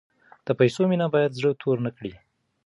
د پیسو مینه باید زړه تور نکړي.